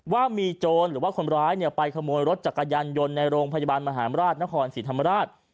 ว่ามีโจรหรือว่าคนร้ายไปขโมยรถจักรยานยนต์ในโรงพยาบาลมหาราชนครศรีธรรมราช